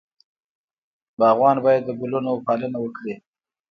باغوان باید د ګلونو پالنه وکړي.